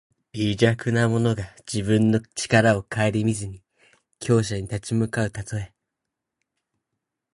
微弱な者が自分の力をかえりみずに強者に立ち向かうたとえ。